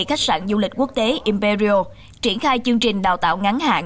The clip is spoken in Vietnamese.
khách sạn du lịch quốc tế imperial triển khai chương trình đào tạo ngắn hạn